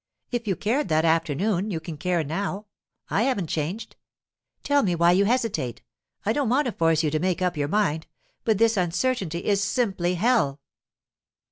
If you cared that afternoon, you can care now. I haven't changed. Tell me why you hesitate. I don't want to force you to make up your mind, but this uncertainty is simply hell.